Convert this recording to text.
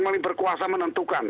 yang paling berkuasa menentukan